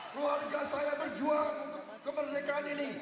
keluarga saya berjuang untuk kemerdekaan ini